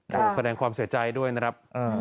โอ้โหแสดงความเสียใจด้วยนะครับ